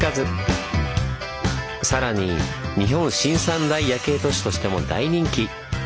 さらに「日本新三大夜景都市」としても大人気！